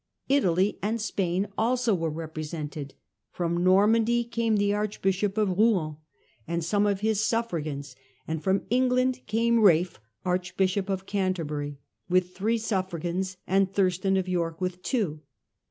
Italy and Spain also were represented; from Normandy came the archbishop of Rouen, and some of his suffragans, and from England came Ralph, archbishop of Canterbury, with three suffragans, and Thurstan of York with two.